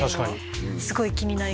すごい気になりました。